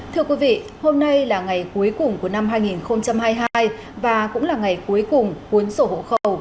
thưa quý vị hôm nay là ngày cuối cùng của năm hai nghìn hai mươi hai và cũng là ngày cuối cùng cuốn sổ hộ khẩu